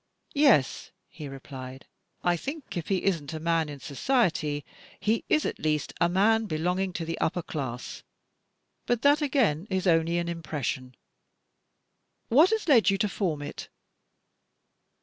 "Yes," he replied; "I think if he isn't a man in society, he is, at least, a man belonging to the upper class. But that, again, is only an impression." "What has led you to form it?"